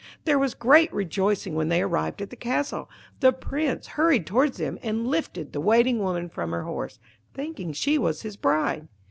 There was great rejoicing when they arrived at the castle. The Prince hurried towards them, and lifted the Waiting woman from her horse, thinking she was his bride.